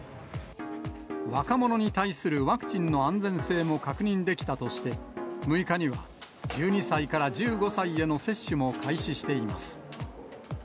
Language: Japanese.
若者に対するワクチンの安全性も確認できたとして、６日には１２歳から１５歳への接種も開始しています。